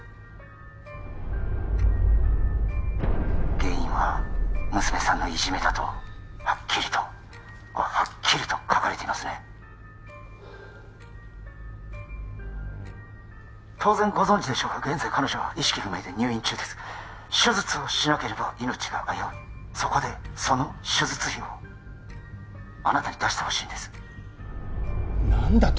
原因は娘さんのいじめだとはっきりとはっきりと書かれていますね当然ご存じでしょうが現在彼女は意識不明で入院中です手術をしなければ命が危ういそこでその手術費をあなたに出してほしいんです何だと？